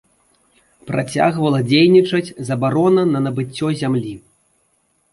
Працягвала дзейнічаць забарона на набыццё зямлі.